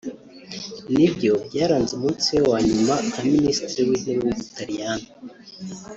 nibyo byaranze umunsi we wa nyuma nka minsitiri w’ intebe w’ u Butaliyani